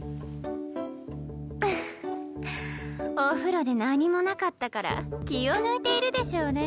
ふぅお風呂で何もなかったから気を抜いているでしょうね